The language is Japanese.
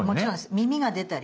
耳が出たり。